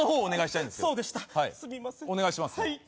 お願いしますよ